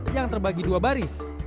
yang terbagi dua baris